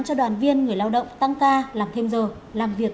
cho đoàn viên người lao động tăng ca làm thêm giờ làm việc